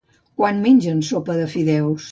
Quan mengem sopa de fideus?